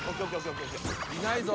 いないぞ！